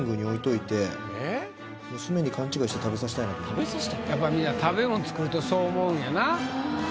もちろんやっぱりみんな食べ物作るとそう思うんやな。